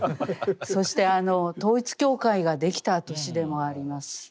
そして統一教会ができた年でもあります。